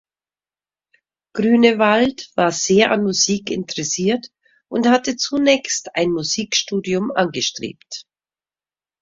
Grünewald war sehr an Musik interessiert und hatte zunächst ein Musikstudium angestrebt.